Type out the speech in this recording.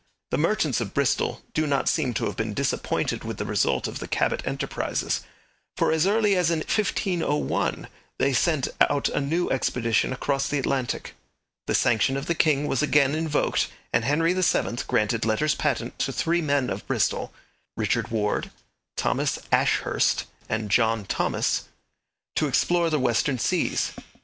The merchants of Bristol do not seem to have been disappointed with the result of the Cabot enterprises, for as early as in 1501 they sent out a new expedition across the Atlantic. The sanction of the king was again invoked, and Henry VII granted letters patent to three men of Bristol Richard Warde, Thomas Ashehurst, and John Thomas to explore the western seas.